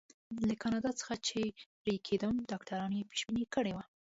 له کاناډا څخه چې رهي کېدم ډاکټر یې پېشبیني کړې وه.